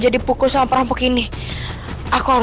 adakah ayu melayang sendiri bro